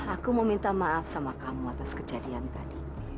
aku mau minta maaf sama kamu atas kejadian tadi